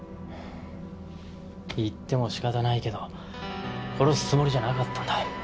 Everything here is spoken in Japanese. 言っても仕方ないけど殺すつもりじゃなかったんだ。